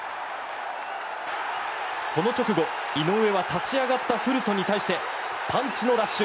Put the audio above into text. その直後、井上は立ち上がったフルトンに対してパンチのラッシュ。